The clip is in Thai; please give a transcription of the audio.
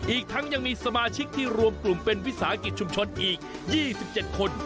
อีกทั้งยังมีสมาชิกที่รวมกลุ่มเป็นวิสาหกิจชุมชนอีก๒๗คน